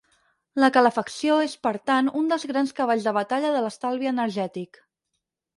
La calefacció és per tant un dels grans cavalls de batalla de l'estalvi energètic.